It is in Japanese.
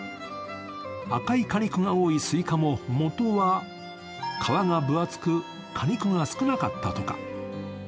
赤い果肉が多いスイカも、元は皮が分厚く果肉が少なかったとか。